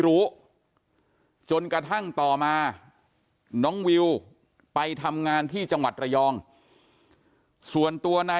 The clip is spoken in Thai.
รู้จนกระทั่งต่อมาน้องวิวไปทำงานที่จังหวัดระยองส่วนตัวนาย